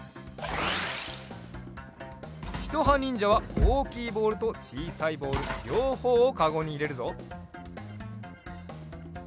ひとはにんじゃはおおきいボールとちいさいボールりょうほうをかごにいれるぞ。